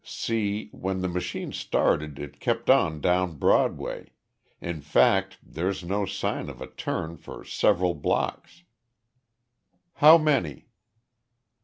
See, when the machine started it kept on down Broadway in fact, there's no sign of a turn for several blocks." "How many?"